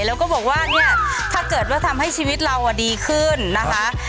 แล้วก็บอกว่าเนี่ยถ้าเกิดว่าทำให้ชีวิตเราดีขึ้นนะคะ